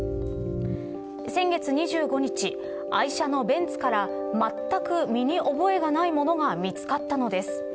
先月２５日愛車のベンツからまったく身に覚えがないものが見つかったのです。